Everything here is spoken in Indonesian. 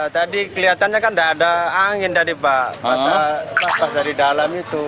tadi kelihatannya kan tidak ada angin dari dalam itu